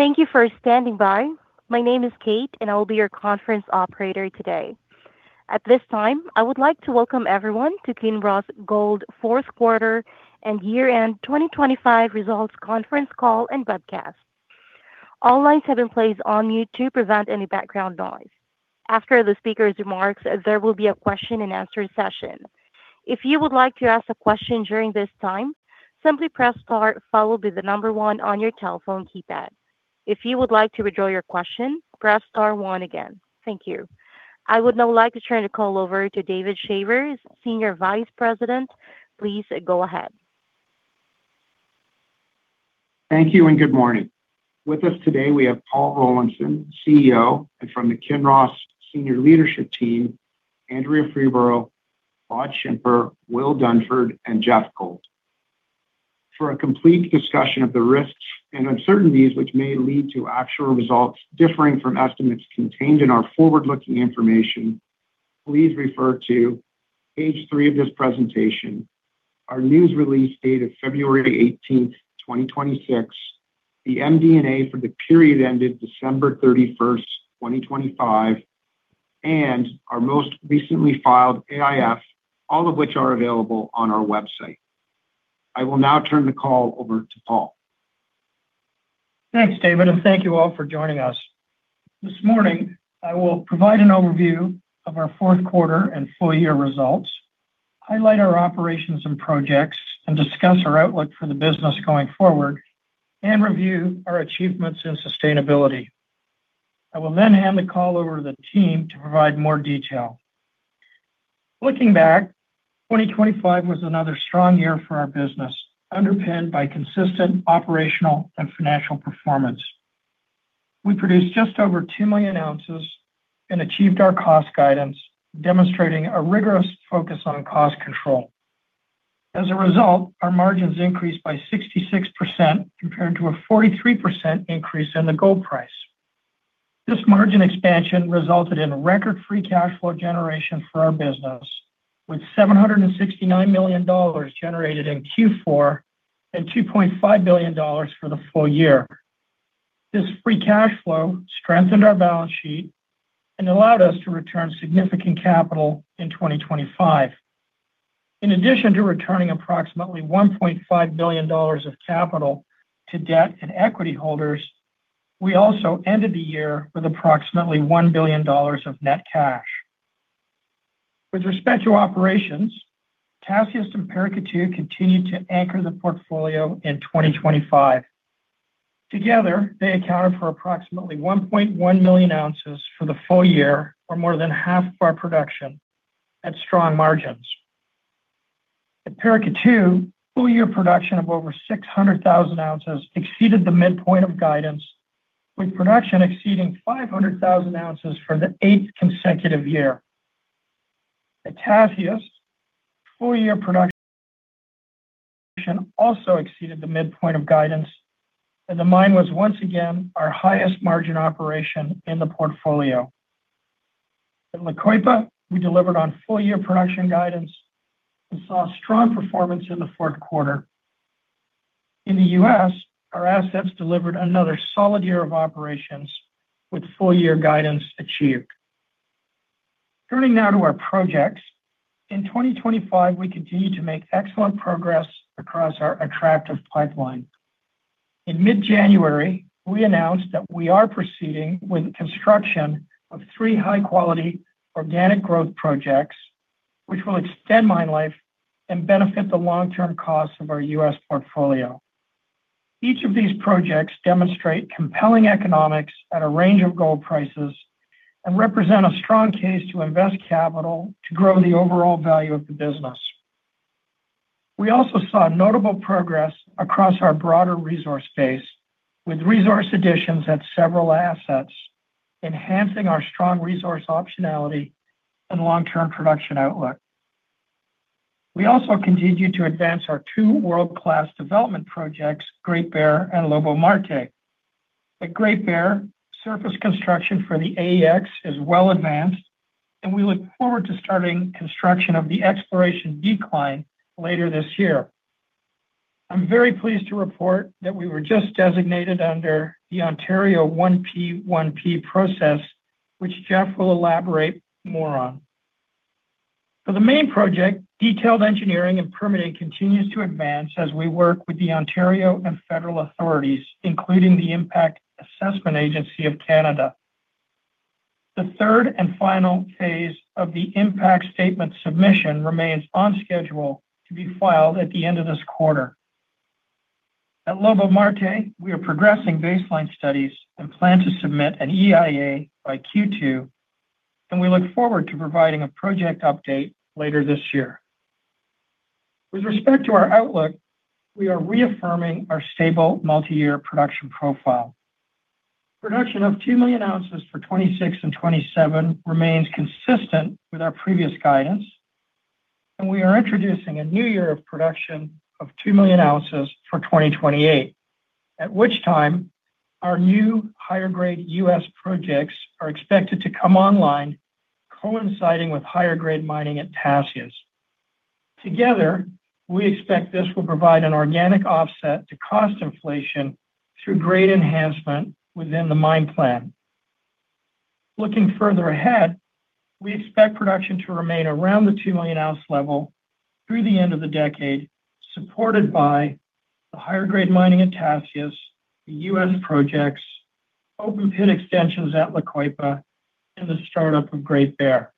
Thank you for standing by. My name is Kate, and I will be your conference operator today. At this time, I would like to welcome everyone to Kinross Gold Fourth Quarter and Year-End 2025 Results Conference Call and Webcast. All lines have been placed on mute to prevent any background noise. After the speaker's remarks, there will be a question-and-answer session. If you would like to ask a question during this time, simply press star, followed by the number one on your telephone keypad. If you would like to withdraw your question, press star one again. Thank you. I would now like to turn the call over to David Shaver, Senior Vice President. Please go ahead. Thank you, and good morning. With us today, we have Paul Rollinson, CEO, and from the Kinross senior leadership team, Andrea Freeborough, Claude Schimper, Will Dunford, and Geoff Gold. For a complete discussion of the risks and uncertainties which may lead to actual results differing from estimates contained in our forward-looking information, please refer to page 3 of this presentation, our news release dated February 18, 2026, the MD&A for the period ended December 31, 2025, and our most recently filed AIF, all of which are available on our website. I will now turn the call over to Paul. Thanks, David, and thank you all for joining us. This morning, I will provide an overview of our Fourth Quarter and Full-Year Results, highlight our operations and projects, and discuss our outlook for the business going forward and review our achievements in sustainability. I will then hand the call over to the team to provide more detail. Looking back, 2025 was another strong year for our business, underpinned by consistent operational and financial performance. We produced just over 2 million ounces and achieved our cost guidance, demonstrating a rigorous focus on cost control. As a result, our margins increased by 66%, compared to a 43% increase in the gold price. This margin expansion resulted in record free cash flow generation for our business, with $769 million generated in Q4 and $2.5 billion for the full year. This free cash flow strengthened our balance sheet and allowed us to return significant capital in 2025. In addition to returning approximately $1.5 billion of capital to debt and equity holders, we also ended the year with approximately $1 billion of net cash. With respect to operations, Tasiast and Paracatu continued to anchor the portfolio in 2025. Together, they accounted for approximately 1.1 million ounces for the full year, or more than half of our production at strong margins. At Paracatu, full-year production of over 600,000 ounces exceeded the midpoint of guidance, with production exceeding 500,000 ounces for the 8th consecutive year. At Tasiast, full-year production also exceeded the midpoint of guidance, and the mine was once again our highest margin operation in the portfolio. At La Coipa, we delivered on full-year production guidance and saw strong performance in the fourth quarter. In the U.S., our assets delivered another solid year of operations, with full-year guidance achieved. Turning now to our projects. In 2025, we continued to make excellent progress across our attractive pipeline. In mid-January, we announced that we are proceeding with construction of three high-quality organic growth projects, which will extend mine life and benefit the long-term costs of our U.S. portfolio. Each of these projects demonstrate compelling economics at a range of gold prices and represent a strong case to invest capital to grow the overall value of the business. We also saw notable progress across our broader resource base, with resource additions at several assets, enhancing our strong resource optionality and long-term production outlook. We also continued to advance our two world-class development projects, Great Bear and Lobo-Marte. At Great Bear, surface construction for the AEX is well advanced, and we look forward to starting construction of the exploration decline later this year. I'm very pleased to report that we were just designated under the Ontario 1P1P process, which Geoff will elaborate more on. For the main project, detailed engineering and permitting continues to advance as we work with the Ontario and federal authorities, including the Impact Assessment Agency of Canada. The third and final phase of the impact statement submission remains on schedule to be filed at the end of this quarter. At Lobo-Marte, we are progressing baseline studies and plan to submit an EIA by Q2, and we look forward to providing a project update later this year. With respect to our outlook, we are reaffirming our stable multi-year production profile. Production of 2 million ounces for 2026 and 2027 remains consistent with our previous guidance, and we are introducing a new year of production of 2 million ounces for 2028, at which time our new higher-grade U.S. projects are expected to come online, coinciding with higher-grade mining at Tasiast. Together, we expect this will provide an organic offset to cost inflation through grade enhancement within the mine plan. Looking further ahead, we expect production to remain around the 2 million ounce level through the end of the decade, supported by the higher-grade mining at Tasiast, the U.S. projects, open pit extensions at La Coipa, and the startup of Great Bear.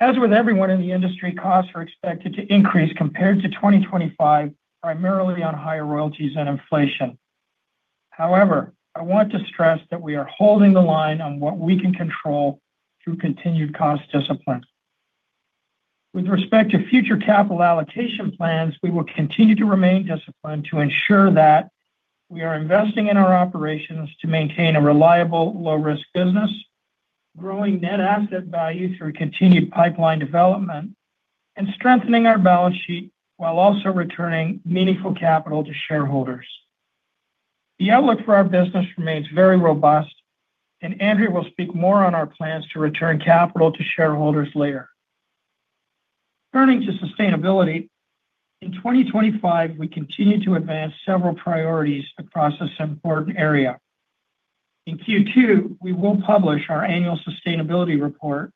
As with everyone in the industry, costs are expected to increase compared to 2025, primarily on higher royalties and inflation. However, I want to stress that we are holding the line on what we can control through continued cost discipline. With respect to future capital allocation plans, we will continue to remain disciplined to ensure that we are investing in our operations to maintain a reliable, low-risk business, growing net asset value through continued pipeline development, and strengthening our balance sheet while also returning meaningful capital to shareholders. The outlook for our business remains very robust, and Andrea will speak more on our plans to return capital to shareholders later. Turning to sustainability, in 2025, we continued to advance several priorities across this important area. In Q2, we will publish our annual sustainability report,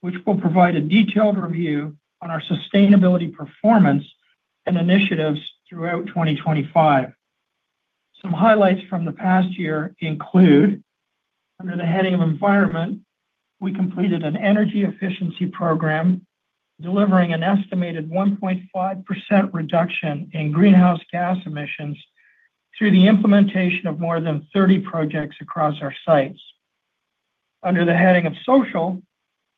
which will provide a detailed review on our sustainability performance and initiatives throughout 2025. Some highlights from the past year include, under the heading of environment, we completed an energy efficiency program, delivering an estimated 1.5% reduction in greenhouse gas emissions through the implementation of more than 30 projects across our sites. Under the heading of social,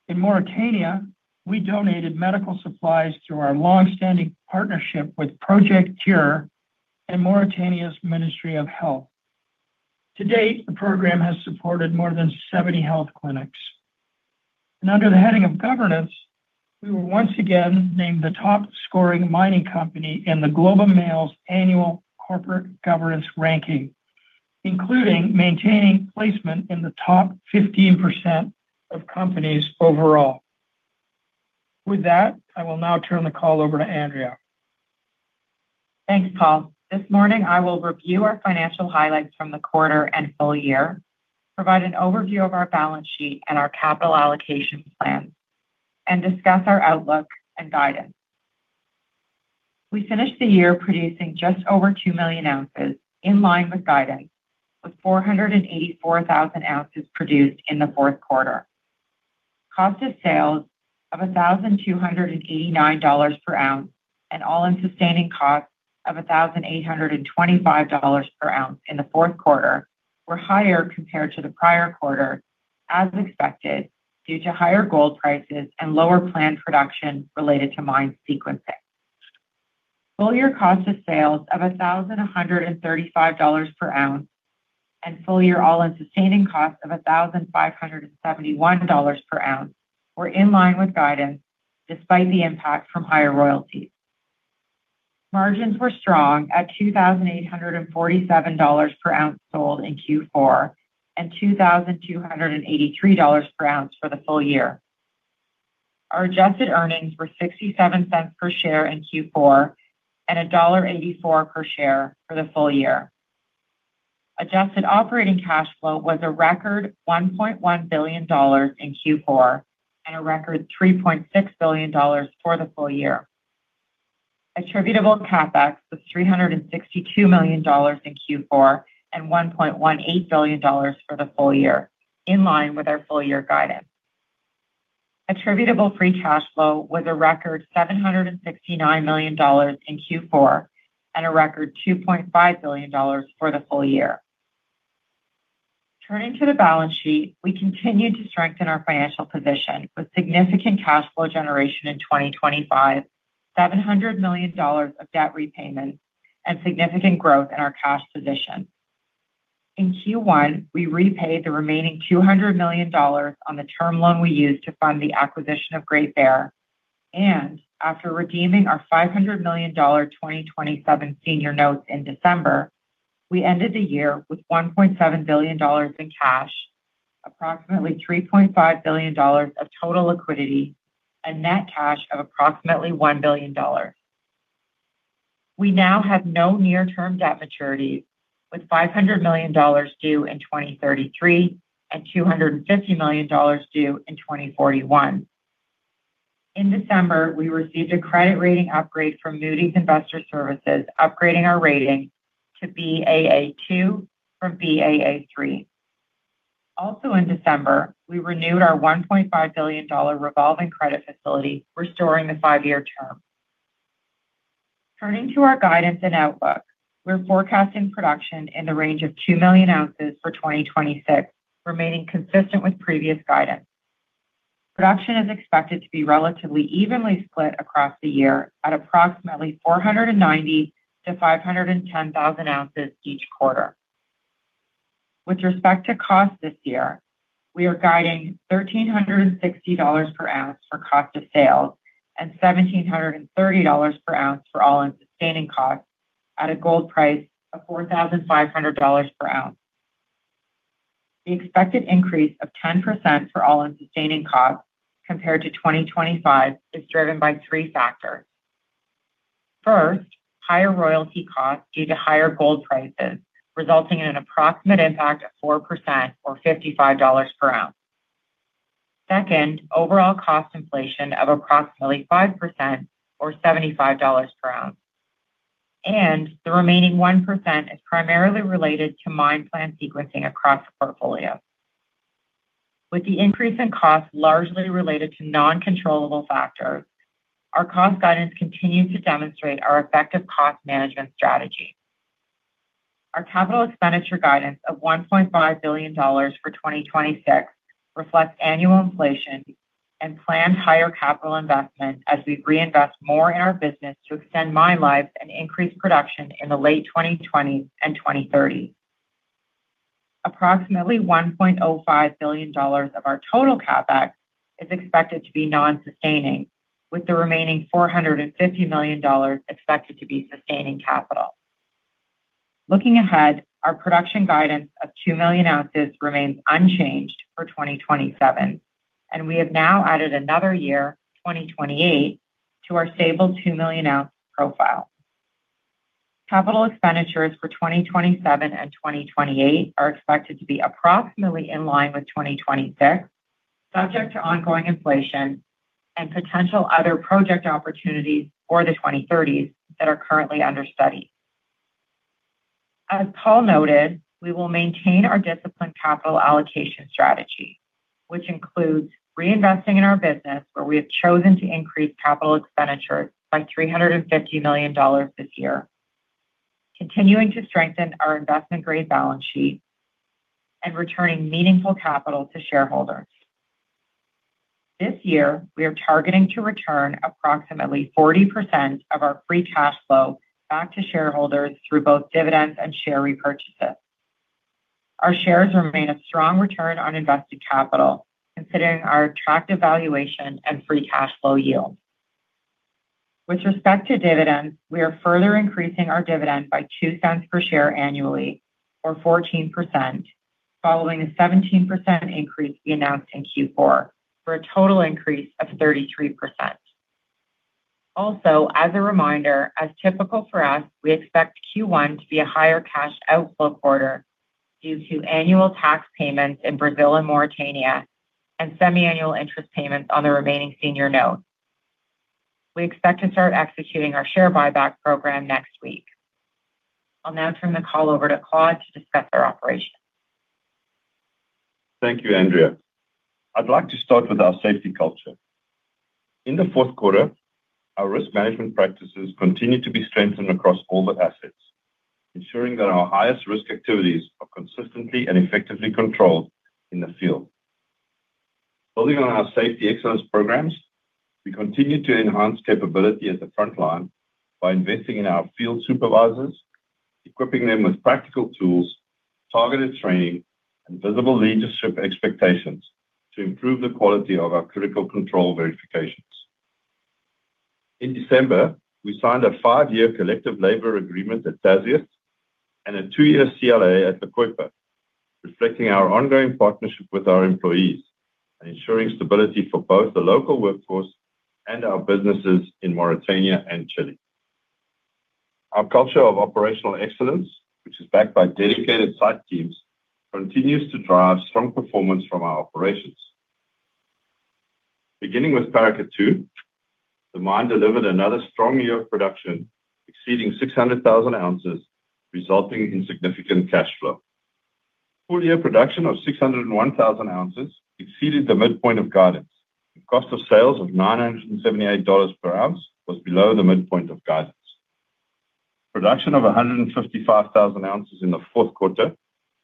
in Mauritania, we donated medical supplies through our long-standing partnership with Project C.U.R.E. and Mauritania's Ministry of Health. To date, the program has supported more than 70 health clinics. Under the heading of governance, we were once again named the top-scoring mining company in The Globe and Mail's annual corporate governance ranking, including maintaining placement in the top 15% of companies overall. With that, I will now turn the call over to Andrea. Thanks, Paul. This morning, I will review our financial highlights from the quarter and full year, provide an overview of our balance sheet and our capital allocation plan, and discuss our outlook and guidance. We finished the year producing just over 2 million ounces, in line with guidance, with 484,000 ounces produced in the fourth quarter. Cost of sales of $1,289 per ounce and all-in sustaining costs of $1,825 per ounce in the fourth quarter were higher compared to the prior quarter, as expected, due to higher gold prices and lower planned production related to mine sequencing. Full year cost of sales of $1,135 per ounce and full year all-in sustaining costs of $1,571 per ounce were in line with guidance, despite the impact from higher royalties. Margins were strong at $2,847 per ounce sold in Q4 and $2,283 per ounce for the full year. Our adjusted earnings were $0.67 per share in Q4 and $1.84 per share for the full year. Adjusted operating cash flow was a record $1.1 billion in Q4 and a record $3.6 billion for the full year. Attributable CapEx was $362 million in Q4 and $1.18 billion for the full year, in line with our full-year guidance. Attributable free cash flow was a record $769 million in Q4 and a record $2.5 billion for the full year. Turning to the balance sheet, we continued to strengthen our financial position with significant cash flow generation in 2025, $700 million of debt repayments, and significant growth in our cash position. In Q1, we repaid the remaining $200 million on the term loan we used to fund the acquisition of Great Bear, and after redeeming our $500 million 2027 senior notes in December, we ended the year with $1.7 billion in cash, approximately $3.5 billion of total liquidity, and net cash of approximately $1 billion. We now have no near-term debt maturities, with $500 million due in 2033 and $250 million due in 2041. In December, we received a credit rating upgrade from Moody's Investors Service, upgrading our rating to Baa2 from Baa3. Also, in December, we renewed our $1.5 billion revolving credit facility, restoring the five-year term. Turning to our guidance and outlook, we're forecasting production in the range of 2 million ounces for 2026, remaining consistent with previous guidance. Production is expected to be relatively evenly split across the year at approximately 490-510 thousand ounces each quarter. With respect to cost this year, we are guiding $1,360 per ounce for cost of sales and $1,730 per ounce for all-in sustaining costs at a gold price of $4,500 per ounce. The expected increase of 10% for all-in sustaining costs compared to 2025 is driven by three factors. First, higher royalty costs due to higher gold prices, resulting in an approximate impact of 4% or $55 per ounce. Second, overall cost inflation of approximately 5% or $75 per ounce, and the remaining 1% is primarily related to mine plan sequencing across the portfolio. With the increase in costs largely related to non-controllable factors, our cost guidance continues to demonstrate our effective cost management strategy. Our capital expenditure guidance of $1.5 billion for 2026 reflects annual inflation and planned higher capital investment as we reinvest more in our business to extend mine lives and increase production in the late 2020s and 2030s. Approximately $1.05 billion of our total CapEx is expected to be non-sustaining, with the remaining $450 million expected to be sustaining capital. Looking ahead, our production guidance of 2 million ounces remains unchanged for 2027, and we have now added another year, 2028, to our stable 2 million ounce profile. Capital expenditures for 2027 and 2028 are expected to be approximately in line with 2026, subject to ongoing inflation and potential other project opportunities for the 2030s that are currently under study. As Paul noted, we will maintain our disciplined capital allocation strategy, which includes reinvesting in our business, where we have chosen to increase capital expenditures by $350 million this year, continuing to strengthen our investment-grade balance sheet and returning meaningful capital to shareholders. This year, we are targeting to return approximately 40% of our free cash flow back to shareholders through both dividends and share repurchases. Our shares remain a strong return on invested capital, considering our attractive valuation and free cash flow yield. With respect to dividends, we are further increasing our dividend by $0.02 per share annually, or 14%, following a 17% increase we announced in Q4, for a total increase of 33%. Also, as a reminder, as typical for us, we expect Q1 to be a higher cash outflow quarter due to annual tax payments in Brazil and Mauritania and semiannual interest payments on the remaining senior notes. We expect to start executing our share buyback program next week. I'll now turn the call over to Claude to discuss our operations. Thank you, Andrea. I'd like to start with our safety culture. In the fourth quarter, our risk management practices continued to be strengthened across all the assets, ensuring that our highest-risk activities are consistently and effectively controlled in the field. Building on our safety excellence programs, we continue to enhance capability at the frontline by investing in our field supervisors, equipping them with practical tools, targeted training, and visible leadership expectations to improve the quality of our critical control verifications. In December, we signed a five-year collective labor agreement at Tasiast and a two-year CLA at La Coipa, reflecting our ongoing partnership with our employees and ensuring stability for both the local workforce and our businesses in Mauritania and Chile. Our culture of operational excellence, which is backed by dedicated site teams, continues to drive strong performance from our operations. Beginning with Paracatu, the mine delivered another strong year of production, exceeding 600,000 ounces, resulting in significant cash flow. Full-year production of 601,000 ounces exceeded the midpoint of guidance, and cost of sales of $978 per ounce was below the midpoint of guidance. Production of 155,000 ounces in the fourth quarter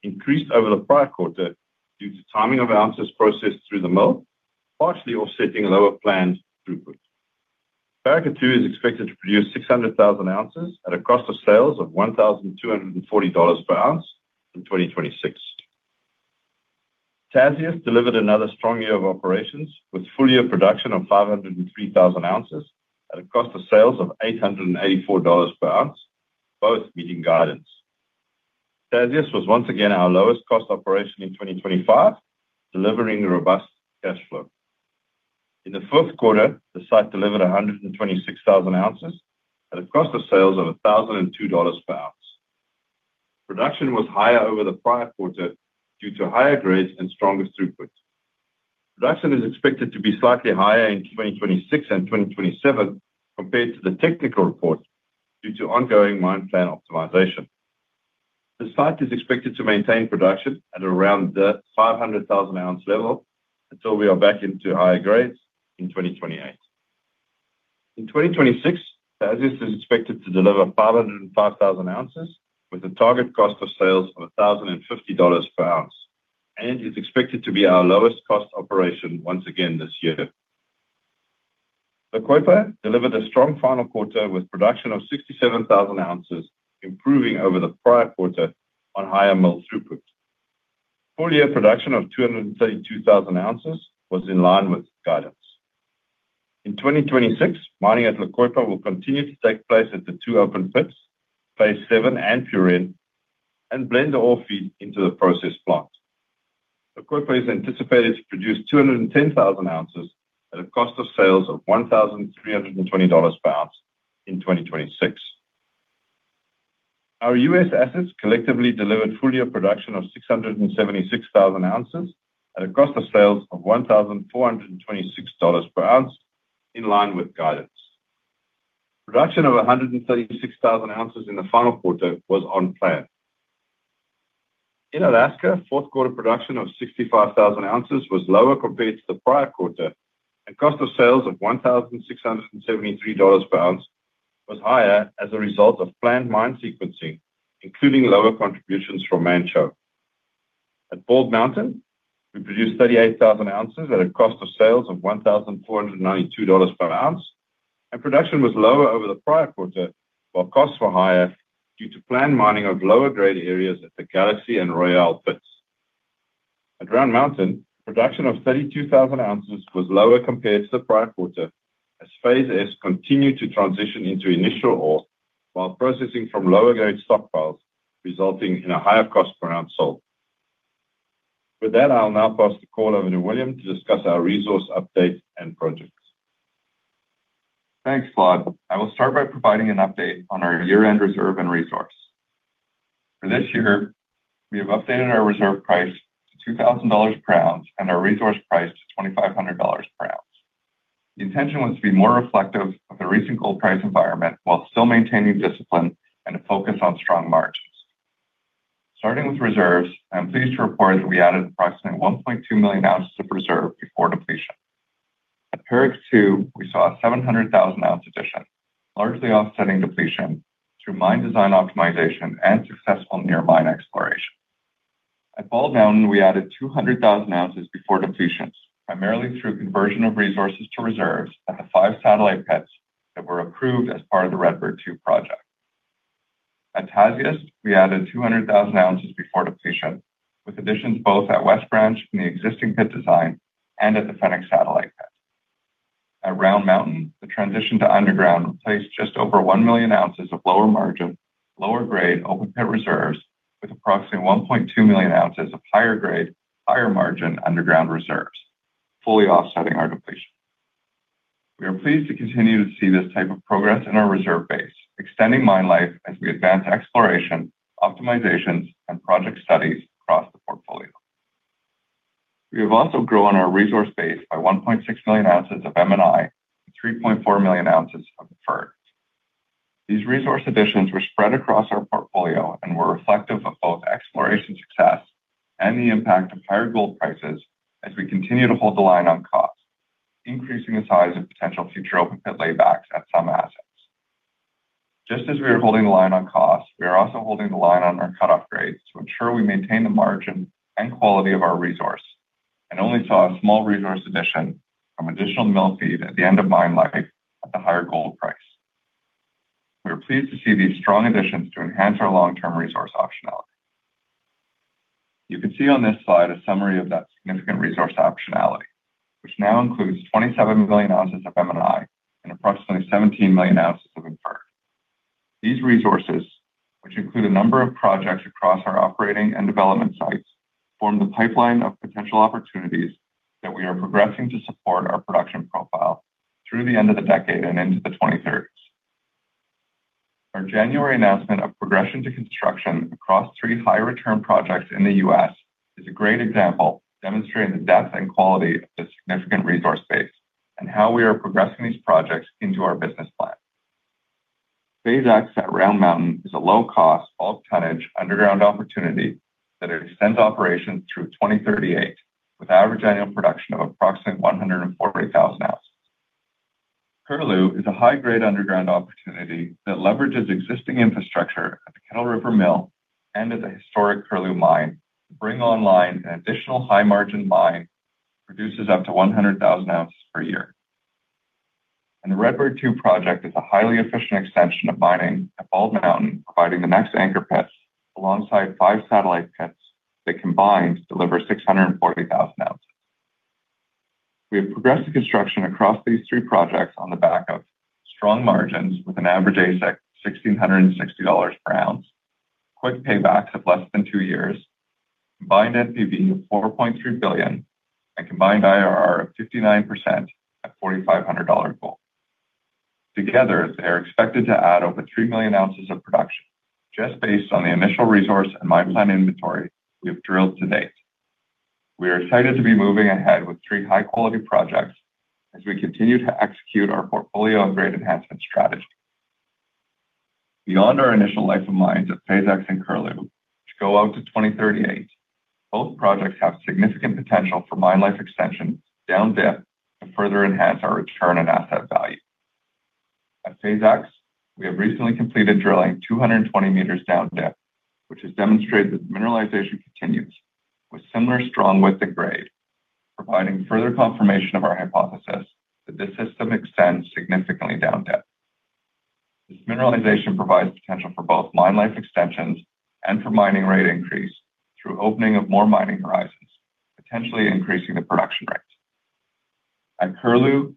increased over the prior quarter due to timing of ounces processed through the mill, partially offsetting lower planned throughput. Paracatu is expected to produce 600,000 ounces at a cost of sales of $1,240 per ounce in 2026. Tasiast delivered another strong year of operations, with full-year production of 503,000 ounces at a cost of sales of $884 per ounce, both meeting guidance. Tasiast was once again our lowest-cost operation in 2025, delivering robust cash flow. In the fourth quarter, the site delivered 126,000 ounces at a cost of sales of $1,002 per ounce. Production was higher over the prior quarter due to higher grades and stronger throughput. Production is expected to be slightly higher in 2026 and 2027 compared to the technical report, due to ongoing mine plan optimization. The site is expected to maintain production at around the 500,000-ounce level until we are back into higher grades in 2028. In 2026, Tasiast is expected to deliver 505,000 ounces, with a target cost of sales of $1,050 per ounce, and is expected to be our lowest-cost operation once again this year. La Coipa delivered a strong final quarter with production of 67,000 ounces, improving over the prior quarter on higher mill throughput. Full-year production of 232,000 ounces was in line with guidance. In 2026, mining at La Coipa will continue to take place at the two open pits, Phase 7 and Puren, and blend the ore feed into the process plant. La Coipa is anticipated to produce 210,000 ounces at a cost of sales of $1,320 per ounce in 2026. Our U.S. assets collectively delivered full-year production of 676,000 ounces at a cost of sales of $1,426 per ounce, in line with guidance. Production of 136,000 ounces in the final quarter was on plan. In Alaska, fourth quarter production of 65,000 ounces was lower compared to the prior quarter, and cost of sales of $1,673 per ounce was higher as a result of planned mine sequencing, including lower contributions from Manh Choh. At Bald Mountain, we produced 38,000 ounces at a cost of sales of $1,492 per ounce, and production was lower over the prior quarter, while costs were higher due to planned mining of lower-grade areas at the Galaxy and Royal pits. At Round Mountain, production of 32,000 ounces was lower compared to the prior quarter, as Phase S continued to transition into initial ore, while processing from lower-grade stockpiles, resulting in a higher cost per ounce sold. With that, I'll now pass the call over to William to discuss our resource update and projects. Thanks, Claude. I will start by providing an update on our year-end reserve and resource. For this year, we have updated our reserve price to $2,000 per ounce and our resource price to $2,500 per ounce. The intention was to be more reflective of the recent gold price environment, while still maintaining discipline and a focus on strong margins. Starting with reserves, I'm pleased to report that we added approximately 1.2 million ounces of reserve before depletion. At Paracatu, we saw a 700,000-ounce addition, largely offsetting depletion through mine design optimization and successful near mine exploration. At Bald Mountain, we added 200,000 ounces before depletions, primarily through conversion of resources to reserves at the 5 satellite pits that were approved as part of the Redbird 2 project. At Tasiast, we added 200,000 ounces before depletion, with additions both at West Branch in the existing pit design and at the Fennec satellite pit. At Round Mountain, the transition to underground replaced just over 1 million ounces of lower margin, lower grade open pit reserves, with approximately 1.2 million ounces of higher grade, higher margin underground reserves, fully offsetting our depletion. We are pleased to continue to see this type of progress in our reserve base, extending mine life as we advance exploration, optimizations, and project studies across the portfolio. We have also grown our resource base by 1.6 million ounces of M&I and 3.4 million ounces of inferred. These resource additions were spread across our portfolio and were reflective of both exploration success and the impact of higher gold prices as we continue to hold the line on cost, increasing the size of potential future open-pit laybacks at some assets. Just as we are holding the line on cost, we are also holding the line on our cut-off grade to ensure we maintain the margin and quality of our resource, and only saw a small resource addition from additional mill feed at the end of mine life at the higher gold price. We are pleased to see these strong additions to enhance our long-term resource optionality. You can see on this slide a summary of that significant resource optionality, which now includes 27 million ounces of M&I and approximately 17 million ounces of inferred. These resources, which include a number of projects across our operating and development sites, form the pipeline of potential opportunities that we are progressing to support our production profile through the end of the decade and into the 2030s. Our January announcement of progression to construction across 3 high return projects in the U.S. is a great example, demonstrating the depth and quality of this significant resource base and how we are progressing these projects into our business plan. Phase X at Round Mountain is a low-cost, all-tonnage underground opportunity that extends operations through 2038, with average annual production of approximately 148,000 ounces. Curlew is a high-grade underground opportunity that leverages existing infrastructure at the Kettle River Mill and at the historic Curlew Mine to bring online an additional high-margin mine, produces up to 100,000 ounces per year. The Redbird 2 project is a highly efficient extension of mining at Bald Mountain, providing the next anchor pits alongside five satellite pits that combined, deliver 640,000 ounces. We have progressed the construction across these three projects on the back of strong margins with an average AISC of $1,660 per ounce, quick paybacks of less than 2 years, combined NPV of $4.3 billion, and combined IRR of 59% at $4,500 gold. Together, they are expected to add over 3 million ounces of production, just based on the initial resource and mine plan inventory we have drilled to date. We are excited to be moving ahead with three high-quality projects as we continue to execute our portfolio of grade enhancement strategy. Beyond our initial life of mines at Phase X and Curlew, which go out to 2038, both projects have significant potential for mine life extensions down dip to further enhance our return and asset value. At Phase X, we have recently completed drilling 220 meters down dip, which has demonstrated that the mineralization continues with similar strong width and grade, providing further confirmation of our hypothesis that this system extends significantly down dip. This mineralization provides potential for both mine life extensions and for mining rate increase through opening of more mining horizons, potentially increasing the production rates. At Curlew,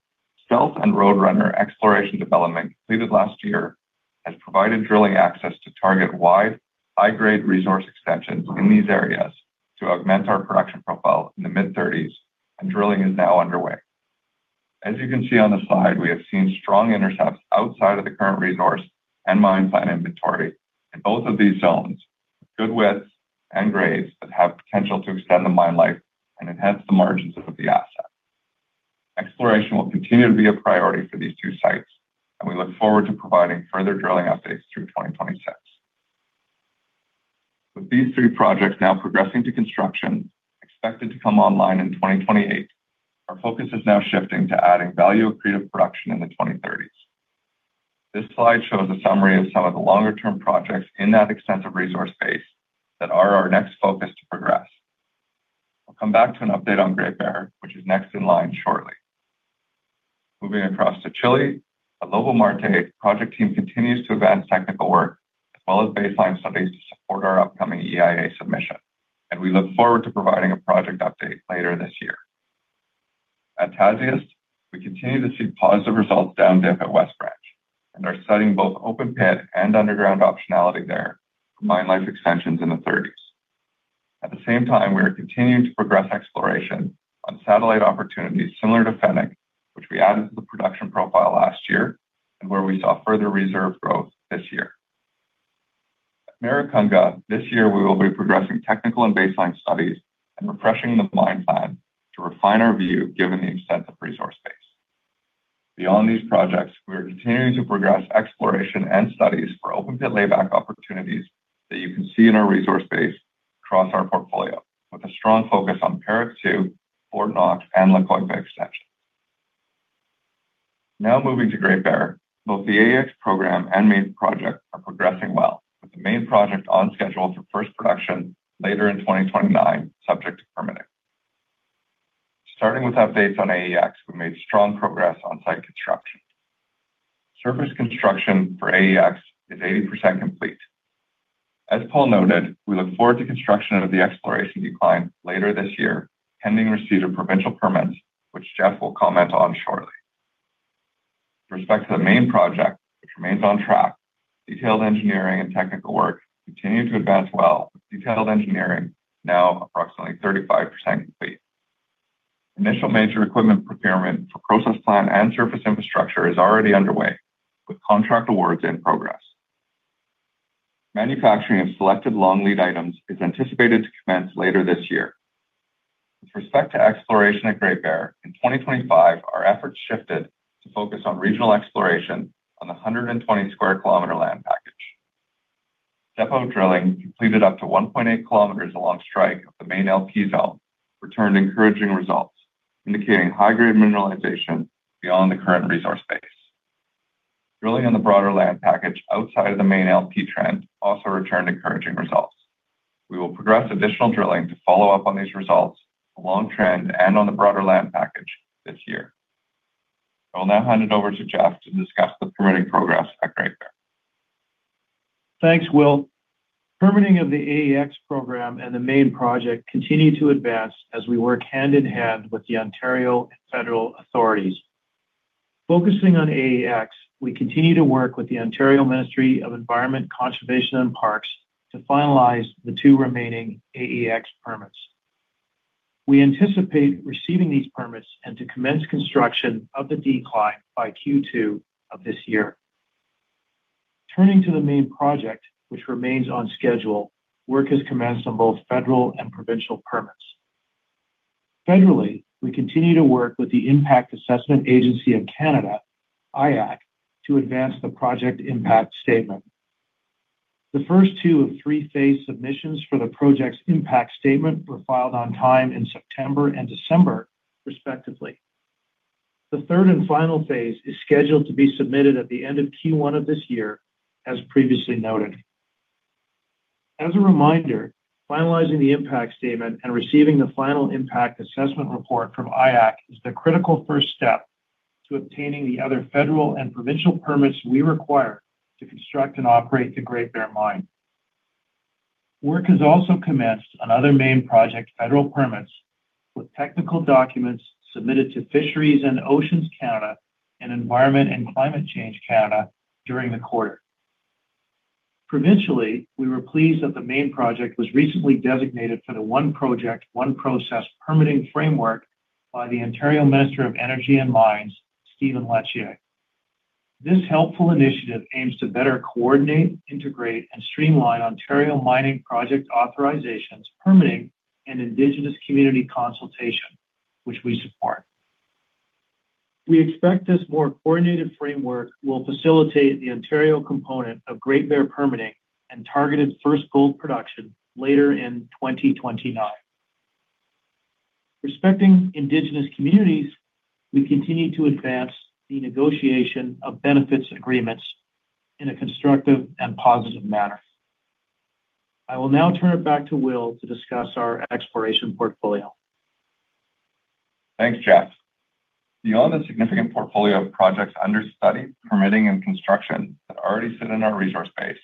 Stealth and Roadrunner exploration development completed last year, has provided drilling access to target wide, high-grade resource extensions in these areas to augment our production profile in the mid-2030s, and drilling is now underway. As you can see on the slide, we have seen strong intercepts outside of the current resource and mine site inventory in both of these zones, with good widths and grades that have potential to extend the mine life and enhance the margins of the asset. Exploration will continue to be a priority for these two sites, and we look forward to providing further drilling updates through 2026. With these three projects now progressing to construction, expected to come online in 2028, our focus is now shifting to adding value accretive production in the 2030s. This slide shows a summary of some of the longer-term projects in that extensive resource base that are our next focus to progress. I'll come back to an update on Great Bear, which is next in line shortly. Moving across to Chile, at Lobo Marte, project team continues to advance technical work as well as baseline studies to support our upcoming EIA submission, and we look forward to providing a project update later this year. At Tasiast, we continue to see positive results down deep at West Branch and are studying both open pit and underground optionality there for mine life extensions in the thirties. At the same time, we are continuing to progress exploration on satellite opportunities similar to Fenik, which we added to the production profile last year and where we saw further reserve growth this year. At Maricunga, this year we will be progressing technical and baseline studies and refreshing the mine plan to refine our view, given the extent of resource base. Beyond these projects, we are continuing to progress exploration and studies for open pit layback opportunities that you can see in our resource base across our portfolio, with a strong focus on Paracatu, Fort Knox, and La Coipa Extension. Now moving to Great Bear. Both the AEX program and main project are progressing well, with the main project on schedule for first production later in 2029, subject to permitting. Starting with updates on AEX, we made strong progress on site construction. Surface construction for AEX is 80% complete. As Paul noted, we look forward to construction of the exploration decline later this year, pending receipt of provincial permits, which Geoff will comment on shortly. With respect to the main project, which remains on track, detailed engineering and technical work continue to advance well, with detailed engineering now approximately 35% complete. Initial major equipment procurement for process plant and surface infrastructure is already underway, with contract awards in progress. Manufacturing of selected long lead items is anticipated to commence later this year. With respect to exploration at Great Bear, in 2025, our efforts shifted to focus on regional exploration on the 120 sq km land package. Depot drilling completed up to 1.8 km along strike of the main LP Zone returned encouraging results, indicating high-grade mineralization beyond the current resource base. Drilling on the broader land package outside of the main LP trend also returned encouraging results. We will progress additional drilling to follow up on these results along trend and on the broader land package this year. I'll now hand it over to Geoff to discuss the permitting progress at Great Bear. Thanks, Will. Permitting of the AEX program and the main project continue to advance as we work hand in hand with the Ontario and federal authorities. Focusing on AEX, we continue to work with the Ontario Ministry of Environment, Conservation, and Parks to finalize the two remaining AEX permits. We anticipate receiving these permits and to commence construction of the decline by Q2 of this year. Turning to the main project, which remains on schedule, work has commenced on both federal and provincial permits. Federally, we continue to work with the Impact Assessment Agency of Canada, IAAC, to advance the project impact statement. The first two of three phase submissions for the project's impact statement were filed on time in September and December, respectively. The third and final phase is scheduled to be submitted at the end of Q1 of this year, as previously noted. As a reminder, finalizing the impact statement and receiving the final impact assessment report from IAAC is the critical first step to obtaining the other federal and provincial permits we require to construct and operate the Great Bear Mine. Work has also commenced on other main project federal permits, with technical documents submitted to Fisheries and Oceans Canada and Environment and Climate Change Canada during the quarter. Provincially, we were pleased that the main project was recently designated for the One Project, One Process permitting framework by the Ontario Minister of Energy and Mines, Stephen Lecce. This helpful initiative aims to better coordinate, integrate, and streamline Ontario mining project authorizations, permitting, and Indigenous community consultation, which we support. We expect this more coordinated framework will facilitate the Ontario component of Great Bear permitting and targeted first gold production later in 2029. Respecting Indigenous communities, we continue to advance the negotiation of benefits agreements in a constructive and positive manner. I will now turn it back to Will to discuss our exploration portfolio. Thanks, Geoff. Beyond the significant portfolio of projects under study, permitting, and construction that already sit in our resource base,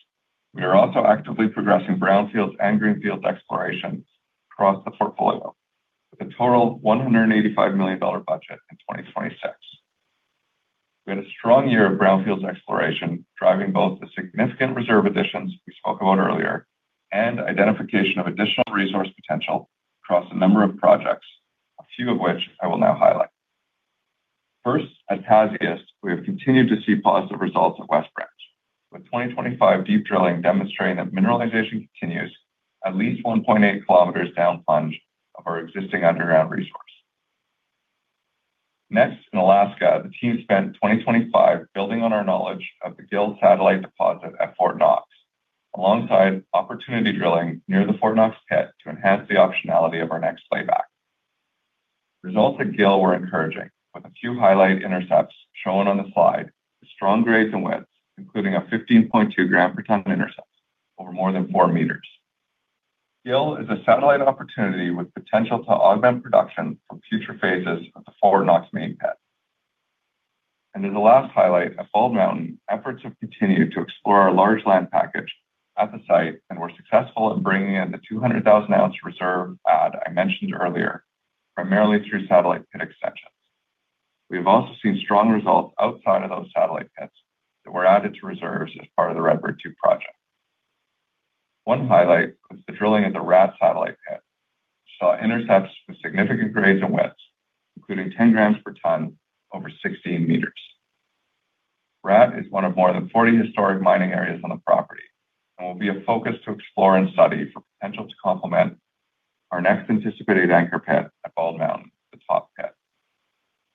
we are also actively progressing brownfields and greenfields explorations across the portfolio, with a total $185 million budget in 2026. We had a strong year of brownfields exploration, driving both the significant reserve additions we spoke about earlier and identification of additional resource potential across a number of projects, a few of which I will now highlight. First, at Tasiast, we have continued to see positive results at West Branch, with 2025 deep drilling demonstrating that mineralization continues at least 1.8 kilometers down plunge of our existing underground resource. Next, in Alaska, the team spent 2025 building on our knowledge of the Gil satellite deposit at Fort Knox, alongside opportunity drilling near the Fort Knox pit to enhance the optionality of our next playback. Results at Gil were encouraging, with a few highlight intercepts shown on the slide, with strong grades and widths, including a 15.2 gram per ton intercept over more than four meters. Gil is a satellite opportunity with potential to augment production from future phases of the Fort Knox main pit. In the last highlight, at Bald Mountain, efforts have continued to explore our large land package at the site, and we're successful in bringing in the 200,000 ounce reserve add I mentioned earlier, primarily through satellite pit extensions. We've also seen strong results outside of those satellite pits that were added to reserves as part of the Redbird 2 project. One highlight was the drilling at the Rat satellite pit, saw intercepts with significant grades and widths, including 10 grams per ton over 16 meters. Rat is one of more than 40 historic mining areas on the property and will be a focus to explore and study for potential to complement our next anticipated anchor pit at Bald Mountain, the Top Pit.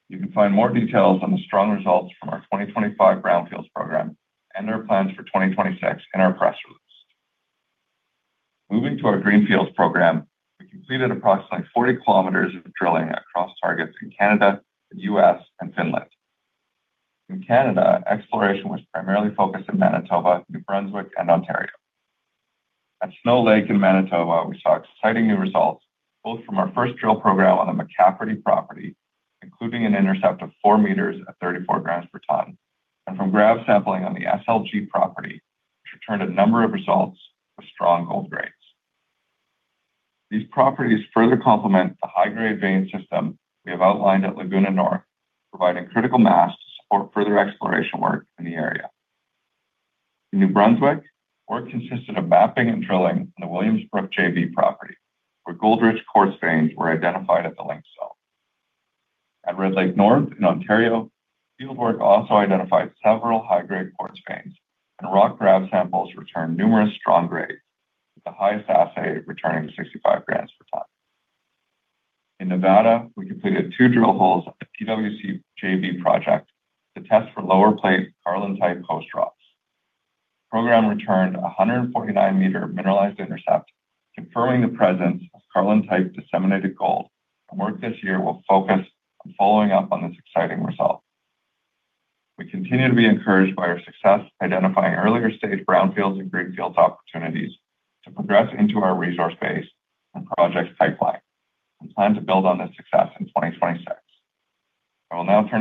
You can find more details on the strong results from our 2025 brownfields program and our plans for 2026 in our press release. Moving to our greenfields program, we completed approximately 40 kilometers of drilling across targets in Canada, the U.S., and Finland. In Canada, exploration was primarily focused in Manitoba, New Brunswick, and Ontario. At Snow Lake in Manitoba, we saw exciting new results, both from our first drill program on the McCafferty property, including an intercept of 4 meters at 34 grams per ton, and from grab sampling on the SLG property, which returned a number of results with strong gold grades. These properties further complement the high-grade vein system we have outlined at Laguna North, providing critical mass to support further exploration work in the area. In New Brunswick, work consisted of mapping and drilling on the Williams Brook JV property, where gold-rich quartz veins were identified at the Link Zone. At Red Lake North in Ontario, field work also identified several high-grade quartz veins, and rock grab samples returned numerous strong grades, with the highest assay returning 65 grams per ton. In Nevada, we completed two drill holes at the TWC JV project to test for lower plate Carlin-type host rocks. The program returned a 149-meter mineralized intercept, confirming the presence of Carlin-type disseminated gold, and work this year will focus on following up on this exciting result. We continue to be encouraged by our success identifying earlier-stage brownfields and greenfields opportunities to progress into our resource base and projects pipeline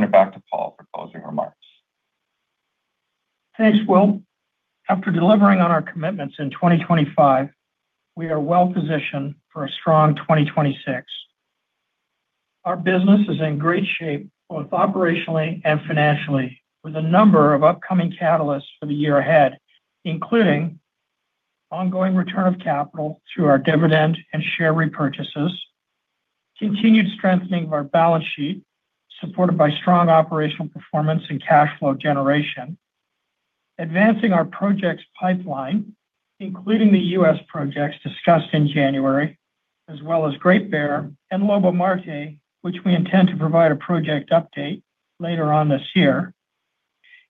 and plan to build on this success in 2026. I will now turn it back to Paul for closing remarks. Thanks, Will. After delivering on our commitments in 2025, we are well-positioned for a strong 2026. Our business is in great shape, both operationally and financially, with a number of upcoming catalysts for the year ahead, including ongoing return of capital through our dividend and share repurchases, continued strengthening of our balance sheet, supported by strong operational performance and cash flow generation, advancing our projects pipeline, including the U.S. projects discussed in January, as well as Great Bear and Lobo-Marte, which we intend to provide a project update later on this year,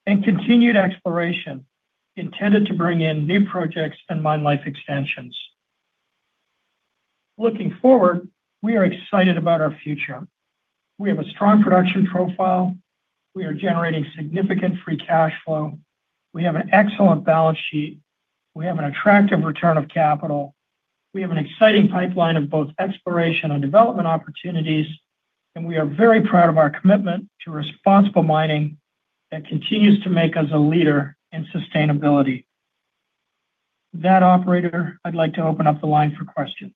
and continued exploration intended to bring in new projects and mine life extensions. Looking forward, we are excited about our future. We have a strong production profile. We are generating significant free cash flow. We have an excellent balance sheet. We have an attractive return of capital. We have an exciting pipeline of both exploration and development opportunities, and we are very proud of our commitment to responsible mining that continues to make us a leader in sustainability. With that, operator, I'd like to open up the line for questions.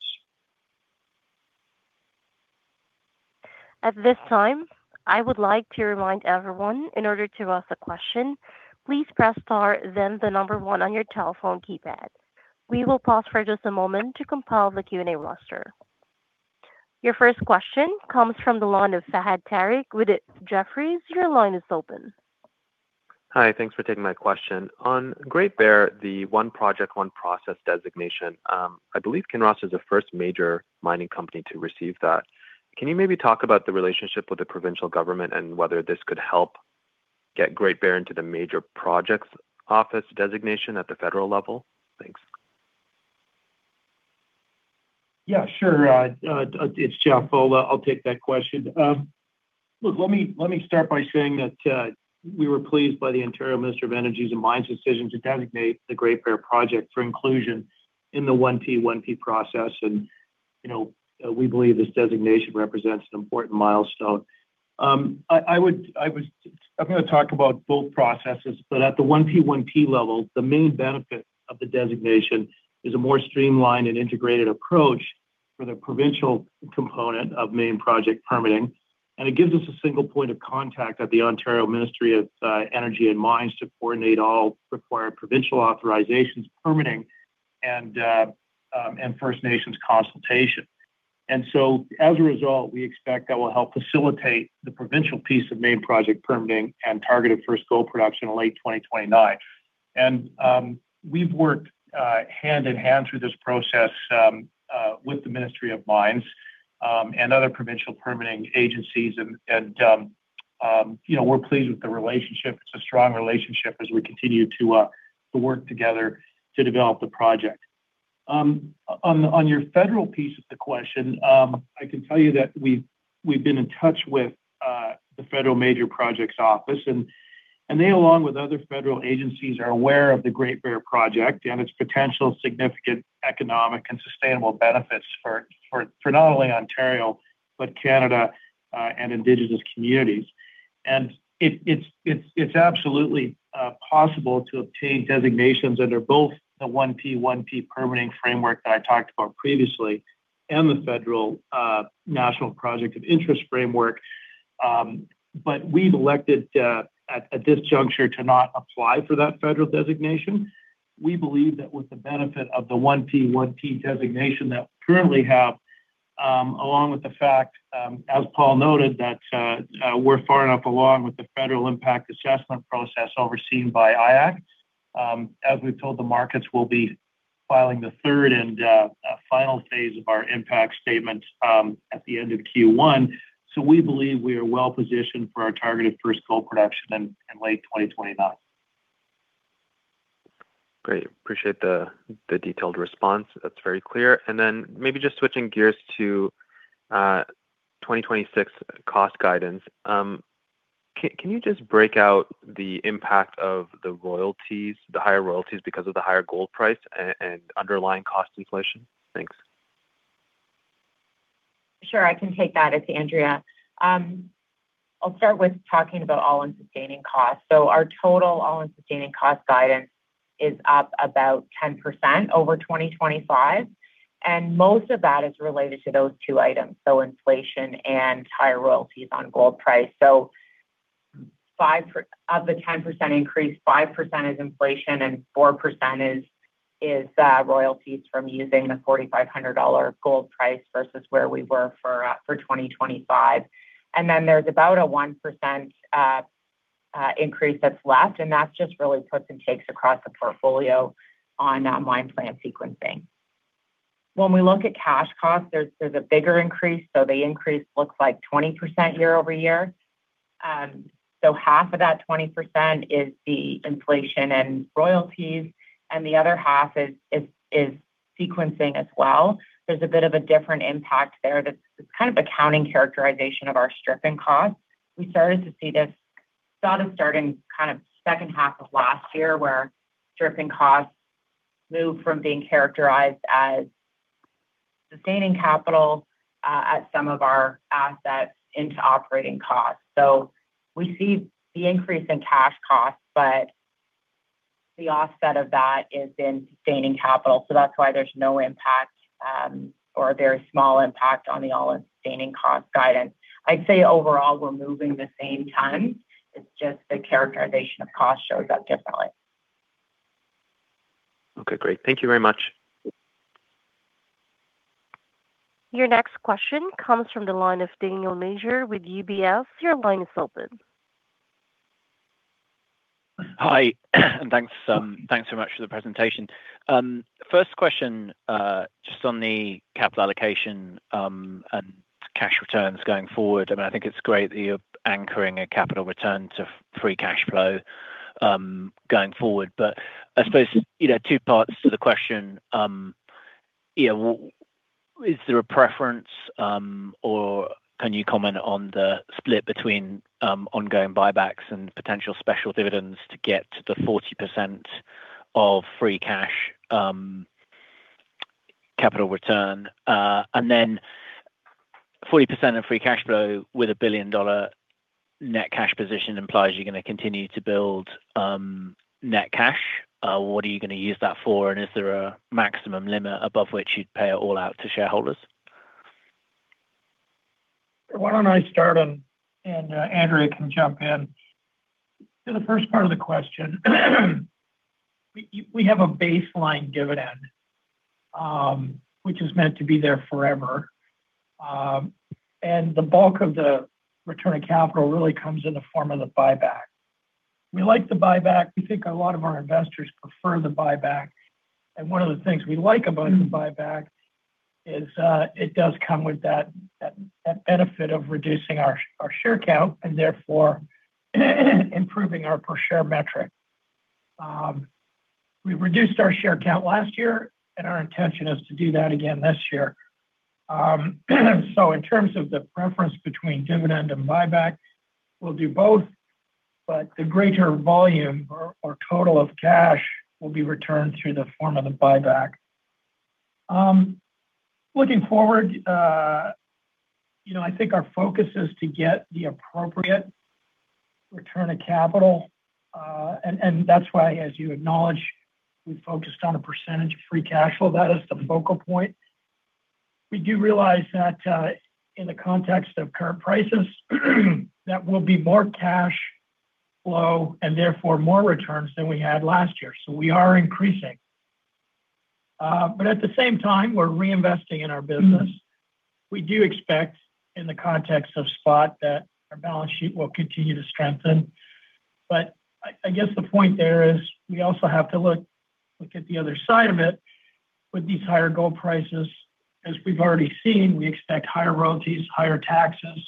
At this time, I would like to remind everyone, in order to ask a question, please press star, then the number one on your telephone keypad. We will pause for just a moment to compile the Q&A roster. Your first question comes from the line of Fahad Tariq with Jefferies. Your line is open. Hi, thanks for taking my question. On Great Bear, the One Project One Process designation, I believe Kinross is the first major mining company to receive that. Can you maybe talk about the relationship with the provincial government and whether this could help get Great Bear into the major projects office designation at the federal level? Thanks. Yeah, sure. It's Geoff Gold. I'll take that question. Look, let me, let me start by saying that, we were pleased by the Ontario Minister of Energy and Mines decision to designate the Great Bear Project for inclusion in the 1P1P process. And, you know, we believe this designation represents an important milestone. I'm gonna talk about both processes, but at the 1P1P level, the main benefit of the designation is a more streamlined and integrated approach for the provincial component of main project permitting. And it gives us a single point of contact at the Ontario Ministry of Energy and Mines to coordinate all required provincial authorizations, permitting, and First Nations consultation. And so, as a result, we expect that will help facilitate the provincial piece of main project permitting and targeted first gold production in late 2029. We've worked hand in hand through this process with the Ministry of Mines and other provincial permitting agencies, and you know, we're pleased with the relationship. It's a strong relationship as we continue to work together to develop the project. On your federal piece of the question, I can tell you that we've been in touch with the Federal Major Projects Office, and they, along with other federal agencies, are aware of the Great Bear Project and its potential significant economic and sustainable benefits for not only Ontario, but Canada, and Indigenous communities. And it's absolutely possible to obtain designations under both the 1P1P permitting framework that I talked about previously and the federal National Project of Interest Framework. But we've elected at this juncture to not apply for that federal designation. We believe that with the benefit of the 1P1P designation that we currently have, along with the fact, as Paul noted, that we're far enough along with the federal impact assessment process overseen by IAAC. As we've told the markets, we will be filing the third and final phase of our impact statement at the end of Q1. So we believe we are w for our targeted first gold production in late 2029. Great. Appreciate the detailed response. That's very clear. And then maybe just switching gears to 2026 cost guidance. Can you just break out the impact of the royalties, the higher royalties because of the higher gold price and underlying cost inflation? Thanks. Sure. I can take that. It's Andrea. I'll start with talking about all-in sustaining costs. So our total all-in sustaining cost guidance is up about 10% over 2025, and most of that is related to those two items, so inflation and higher royalties on gold price. So 5% of the 10% increase, 5% is inflation and 4% is royalties from using the $4,500 gold price versus where we were for 2025. And then there's about a 1% increase that's left, and that's just really puts and takes across the portfolio on mine plan sequencing. When we look at cash costs, there's a bigger increase, so the increase looks like 20% year-over-year. So half of that 20% is the inflation and royalties, and the other half is sequencing as well. There's a bit of a different impact there. That's kind of accounting characterization of our stripping costs. We started to see this sort of starting kind of second half of last year, where stripping costs moved from being characterized as sustaining capital at some of our assets into operating costs. So we see the increase in cash costs, but the offset of that is in sustaining capital. So that's why there's no impact or a very small impact on the all-in sustaining cost guidance. I'd say overall, we're moving the same time. It's just the characterization of cost shows up differently. Okay, great. Thank you very much. Your next question comes from the line of Daniel Major with UBS. Your line is open. Hi, and thanks, thanks so much for the presentation. First question, just on the capital allocation, and cash returns going forward. I mean, I think it's great that you're anchoring a capital return to free cash flow, going forward. But I suppose, you know, two parts to the question. Yeah, is there a preference, or can you comment on the split between, ongoing buybacks and potential special dividends to get to the 40% of free cash, capital return? And then 40% of free cash flow with a $1 billion net cash position implies you're gonna continue to build, net cash. What are you gonna use that for? And is there a maximum limit above which you'd pay it all out to shareholders? Why don't I start, Andrea can jump in? To the first part of the question, we have a baseline dividend, which is meant to be there forever, and the bulk of the return of capital really comes in the form of the buyback. We like the buyback. We think a lot of our investors prefer the buyback, and one of the things we like about the buyback is, it does come with that benefit of reducing our share count and therefore, improving our per share metric. We reduced our share count last year, and our intention is to do that again this year. So in terms of the preference between dividend and buyback, we'll do both, but the greater volume or total of cash will be returned through the form of the buyback. Looking forward, you know, I think our focus is to get the appropriate return of capital. And that's why, as you acknowledge, we focused on a percentage of free cash flow. That is the focal point. We do realize that, in the context of current prices, that will be more cash flow and therefore more returns than we had last year, so we are increasing. But at the same time, we're reinvesting in our business. We do expect, in the context of spot, that our balance sheet will continue to strengthen. I guess the point there is, we also have to look at the other side of it. With these higher gold prices, as we've already seen, we expect higher royalties, higher taxes.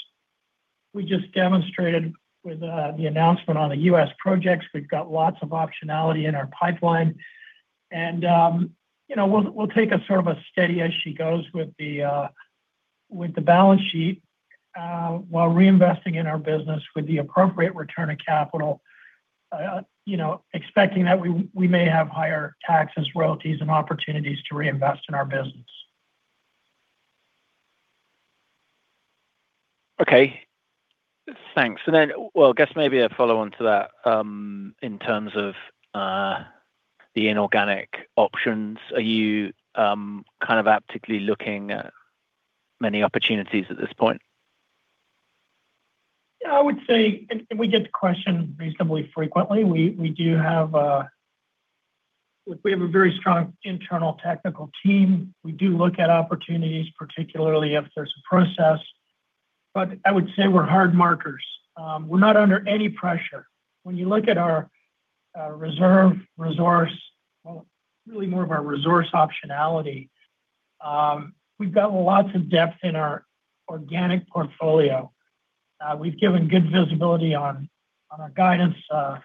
We just demonstrated with the announcement on the U.S. projects. We've got lots of optionality in our pipeline, and you know, we'll take a sort of a steady as she goes with the balance sheet while reinvesting in our business with the appropriate return of capital, you know, expecting that we may have higher taxes, royalties, and opportunities to reinvest in our business. Okay. Thanks. And then, well, I guess maybe a follow-on to that. In terms of the inorganic options, are you kind of actively looking at many opportunities at this point? I would say we get the question reasonably frequently. We have a very strong internal technical team. We do look at opportunities, particularly if there's a process, but I would say we're hard markers. We're not under any pressure. When you look at our reserve resource, well, really more of our resource optionality, we've got lots of depth in our organic portfolio. We've given good visibility on our guidance for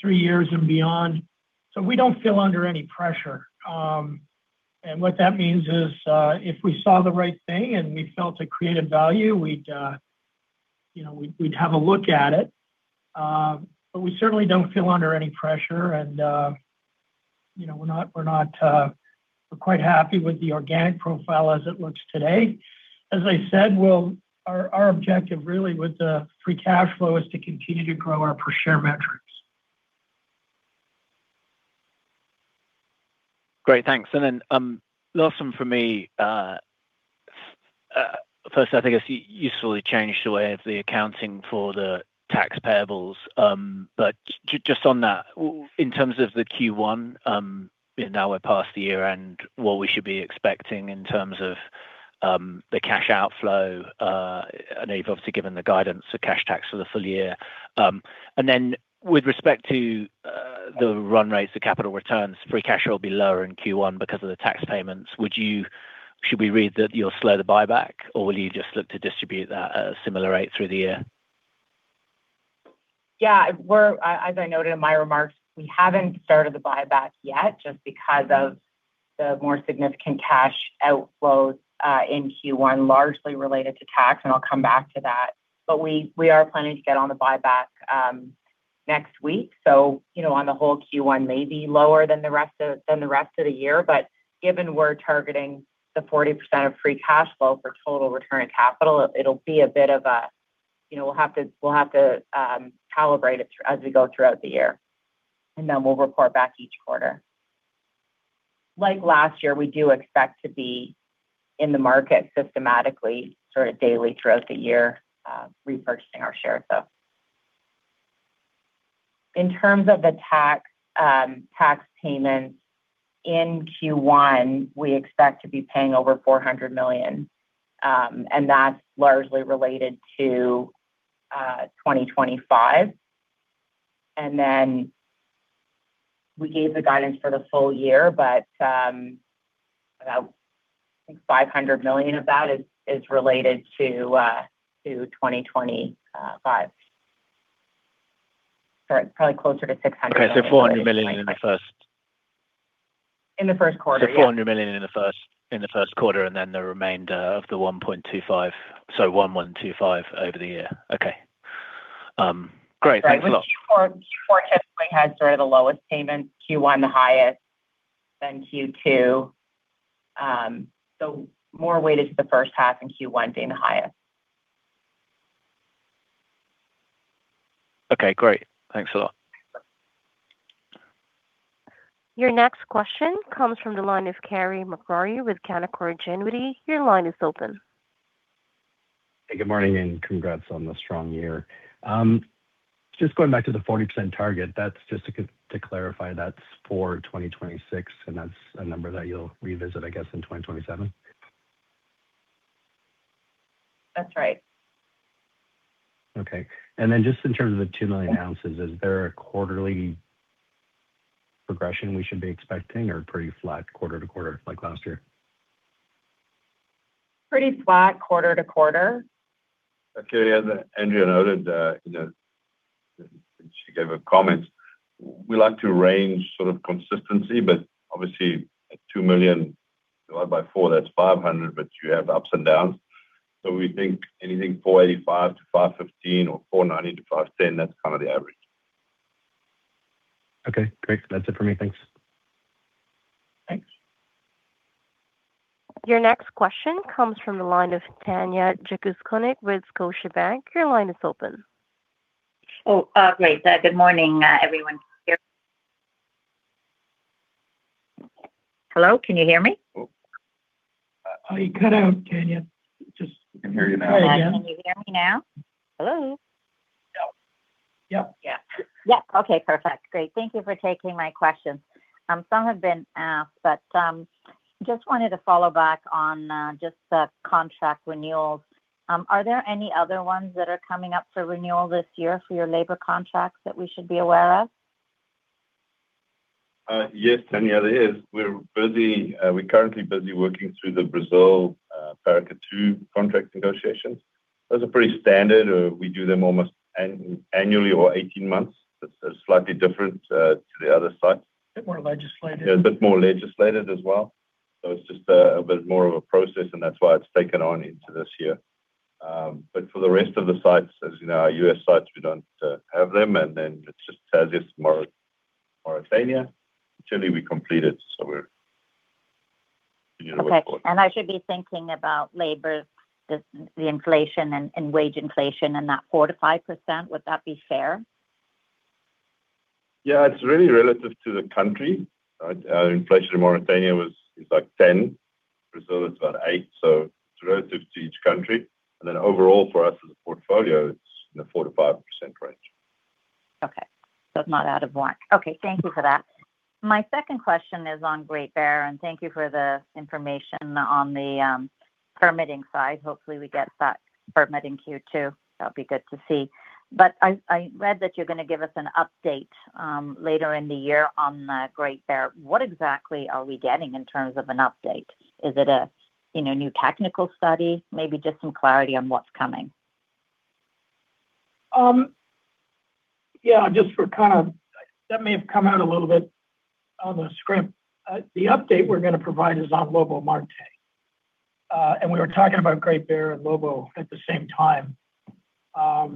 three years and beyond, so we don't feel under any pressure. And what that means is, if we saw the right thing and we felt it created value, we'd have a look at it. But we certainly don't feel under any pressure, and we're quite happy with the organic profile as it looks today. As I said, well, our objective really with the free cash flow is to continue to grow our per share metrics. Great, thanks. And then, last one for me. First, I think it's usefully changed the way of the accounting for the tax payables, but just on that, in terms of the Q1, now we're past the year and what we should be expecting in terms of the cash outflow. I know you've obviously given the guidance, the cash tax for the full year. And then with respect to the run rates of capital returns, free cash flow will be lower in Q1 because of the tax payments. Should we read that you'll slow the buyback, or will you just look to distribute that at a similar rate through the year? We're, as I noted in my remarks, we haven't started the buyback yet, just because of the more significant cash outflows in Q1, largely related to tax, and I'll come back to that. But we, we are planning to get on the buyback next week. So, you know, on the whole, Q1 may be lower than the rest of, than the rest of the year, but given we're targeting the 40% of free cash flow for total return of capital we'll have to, we'll have to calibrate it as we go throughout the year, and then we'll report back each quarter. Like last year, we do expect to be in the market systematically, sort of daily throughout the year, repurchasing our shares, so. In terms of the tax, tax payments, in Q1, we expect to be paying over $400 million, and that's largely related to 2025. And then we gave the guidance for the full year, but about, I think $500 million of that is related to 2025. Sorry, probably closer to $600 million- Okay, so $400 million in the first? In the first quarter. $400 million in the first quarter, and then the remainder of the $1.25 billion, so $1.125 billion over the year. Okay. Great. Thanks a lot. Q4 typically has sort of the lowest payment, Q1 the highest, then Q2. So more weighted to the first half, and Q1 being the highest. Okay, great. Thanks a lot. Your next question comes from the line of Carey MacRury with Canaccord Genuity. Your line is open. Hey, good morning, and congrats on the strong year. Just going back to the 40% target, that's just to clarify, that's for 2026, and that's a number that you'll revisit, I guess, in 2027? That's right. Okay. And then just in terms of the 2 million ounces, is there a quarterly progression we should be expecting or pretty flat quarter-to-quarter like last year? Pretty flat quarter-over-quarter. Okay, as Andrea noted, you know, she gave her comments. We like to range sort of consistency, but obviously at 2 million divided by four, that's 500, but you have ups and downs. So we think anything 485-515 or 490-510, that's kind of the average. Okay, great. That's it for me. Thanks. Thanks. Your next question comes from the line of Tanya Jakusconek with Scotiabank. Your line is open. Oh, great. Good morning, everyone here. Great, thank you for taking my questions. Some have been asked, but just wanted to follow back on just the contract renewals. Are there any other ones that are coming up for renewal this year for your labor contracts that we should be aware of? Yes, Tanya, there is. We're busy. We're currently busy working through the Brazil, Paracatu contract negotiations. Those are pretty standard. We do them almost annually or 18 months. That's slightly different to the other site. A bit more legislated. Yeah, a bit more legislated as well. So it's just a bit more of a process, and that's why it's taken on into this year. But for the rest of the sites, as you know, our U.S. sites, we don't have them, and then it's just as in Mauritania, generally, we complete it, so we're in a good spot. Okay. And I should be thinking about labor, the inflation and wage inflation and that 4%-5%. Would that be fair? Yeah, it's really relative to the country. Right? Inflation in Mauritania was, is like 10%. Brazil, it's about 8%, so it's relative to each country. And then overall, for us as a portfolio, it's in the 4%-5% range. Okay. So it's not out of whack. Okay, thank you for that. My second question is on Great Bear, and thank you for the information on the permitting side. Hopefully, we get that permit in Q2. That'll be good to see. But I read that you're going to give us an update later in the year on the Great Bear. What exactly are we getting in terms of an update? Is it a new technical study? Maybe just some clarity on what's coming. That may have come out a little bit on the script. The update we're going to provide is on Lobo-Marte. And we were talking about Great Bear and Lobo at the same time. I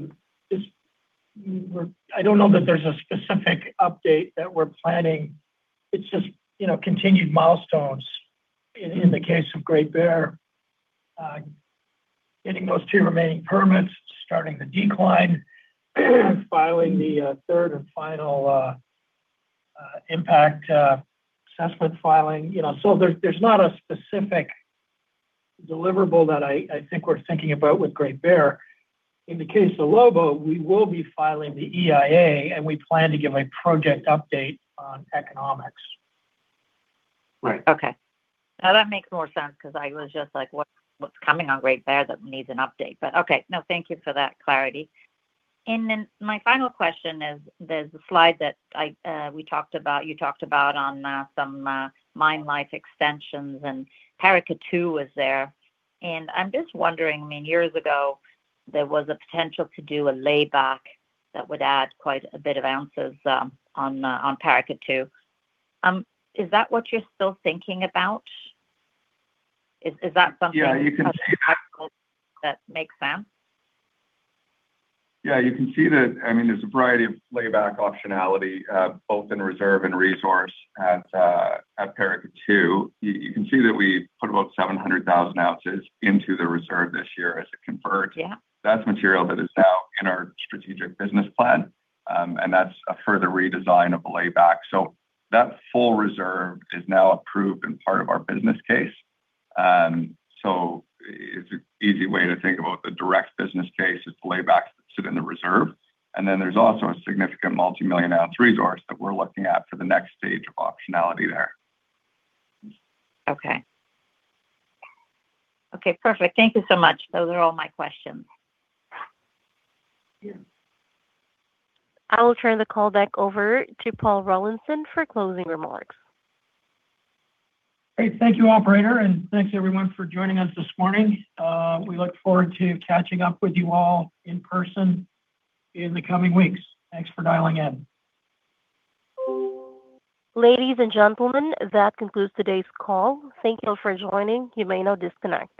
don't know that there's a specific update that we're planning. It's just, you know, continued milestones in the case of Great Bear. Getting those two remaining permits, starting the decline, filing the third and final impact assessment filing. You know, so there's not a specific deliverable that I think we're thinking about with Great Bear. In the case of Lobo, we will be filing the EIA, and we plan to give a project update on economics. Okay. Now, that makes more sense because I was just like, "What, what's coming on Great Bear that needs an update?" But okay, no, thank you for that clarity. And then my final question is, there's a slide that I, we talked about, you talked about on some mine life extensions, and Paracatu was there. And I'm just wondering, I mean, years ago, there was a potential to do a layback that would add quite a bit of ounces on Paracatu. Is that what you're still thinking about? Is that something that makes sense? Yeah, you can see that, I mean, there's a variety of layback optionality, both in reserve and resource at Paracatu. You, you can see that we put about 700,000 ounces into the reserve this year as it converted. That's material that is now in our strategic business plan, and that's a further redesign of the layback. So that full reserve is now approved and part of our business case. So it's an easy way to think about the direct business case is the laybacks that sit in the reserve. And then there's also a significant multimillion-ounce resource that we're looking at for the next stage of optionality there. Okay. Okay, perfect. Thank you so much. Those are all my questions. I will turn the call back over to Paul Rollinson for closing remarks. Great. Thank you, operator, and thanks everyone for joining us this morning. We look forward to catching up with you all in person in the coming weeks. Thanks for dialing in. Ladies and gentlemen, that concludes today's call. Thank you for joining. You may now disconnect.